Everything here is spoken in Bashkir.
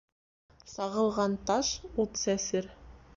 Сағылған таш ут сәсер.